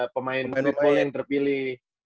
pemain streetball yang terpilih